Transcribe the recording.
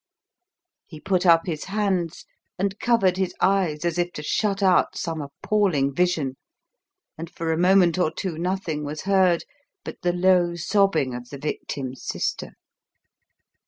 He put up his hands and covered his eyes as if to shut out some appalling vision, and for a moment or two nothing was heard but the low sobbing of the victim's sister.